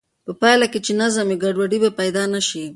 په پایله کې چې نظم وي، ګډوډي به پیدا نه شي.